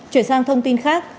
chuyển sang thông tin khác